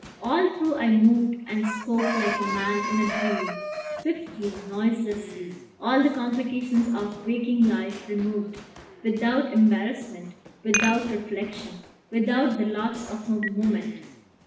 All through I moved and spoke like a man in a dream; swiftly, noiselessly, all the complications of waking life removed; without embarrassment, without reflection, without the loss of a moment.